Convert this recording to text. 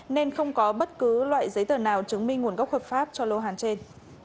nên không có bất cứ loại giấy tờ nào chứng minh nguồn gốc hợp pháp cho lô hàng trên